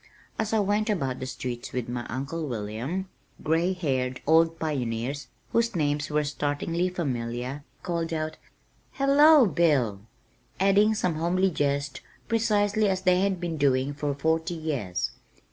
As I went about the streets with my uncle William gray haired old pioneers whose names were startlingly familiar, called out, "Hello, Bill" adding some homely jest precisely as they had been doing for forty years.